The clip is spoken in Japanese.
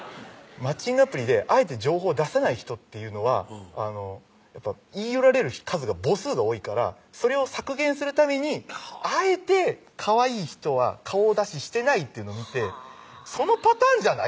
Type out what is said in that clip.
マッチングアプリであえて情報を出さない人っていうのは言い寄られる数が母数が多いからそれを削減するためにあえてかわいい人は顔出ししてないっていうの見てそのパターンじゃない？